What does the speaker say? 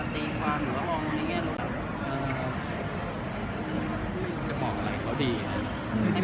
ที่เดี๋ยวจะบอกกันแล้ว